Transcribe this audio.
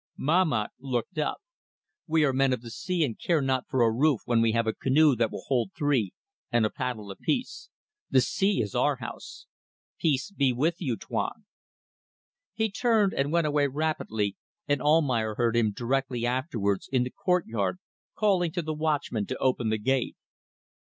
Mahmat looked up. "We are men of the sea and care not for a roof when we have a canoe that will hold three, and a paddle apiece. The sea is our house. Peace be with you, Tuan." He turned and went away rapidly, and Almayer heard him directly afterwards in the courtyard calling to the watchman to open the gate.